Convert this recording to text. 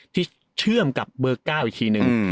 ที่เชื่อมกับเบอร์๙อีกทีนึง